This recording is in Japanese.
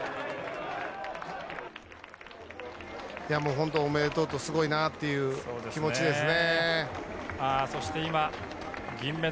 本当におめでとうと、すごいなぁっていう気持ちですね。